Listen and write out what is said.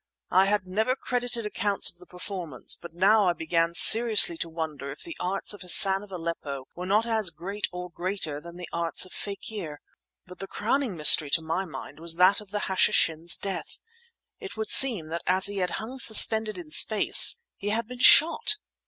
I had never credited accounts of the performance; but now I began seriously to wonder if the arts of Hassan of Aleppo were not as great or greater than the arts of fakir. But the crowning mystery to my mind was that of the Hashishin's death. It would seem that as he had hung suspended in space he had been shot!